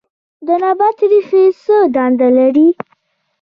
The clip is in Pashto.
د نبات ریښې څه دنده لري